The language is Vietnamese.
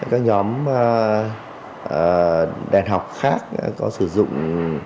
các nhóm đèn học khác có sử dụng